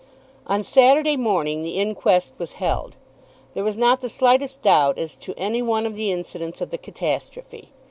On Saturday morning the inquest was held. There was not the slightest doubt as to any one of the incidents of the catastrophe.